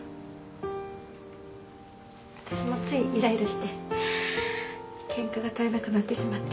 私もついイライラしてケンカが絶えなくなってしまって。